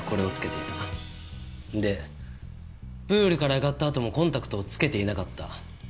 でプールからあがったあともコンタクトをつけていなかった。